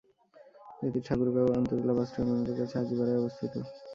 এটি ঠাকুরগাঁও আন্ত:জেলা বাস টার্মিনালের কাছে হাজীপাড়ায় অবস্থিত।